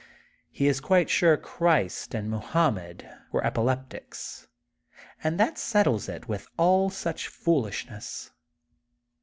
He is quite sure Christ and Mohammed were epi leptics, and that settles it with all such fool ishness.